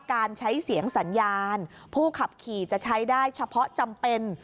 การใช้เสียงสัญญาณผู้ขับขี่จะใช้ได้เฉพาะจำเป็น